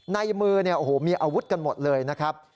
ในมือมีอาวุธกันหมดเลยนะครับ